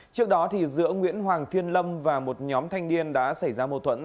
trước đó giữa nguyễn hoàng thiên lâm và một nhóm thanh niên đã xảy ra mâu thuẫn